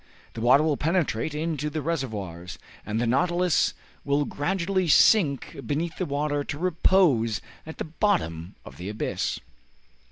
The water will penetrate into the reservoirs, and the 'Nautilus' will gradually sink beneath the water to repose at the bottom of the abyss."